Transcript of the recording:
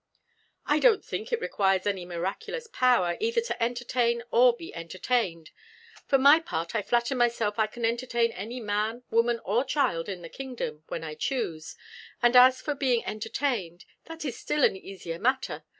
"I don't think it requires any miraculous power, either to entertain or be entertained. For my part, I flatter myself I can entertain any man, woman, or child in the kingdom, when I choose; and as for being entertained, that is still an easier matter.